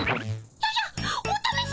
おじゃ。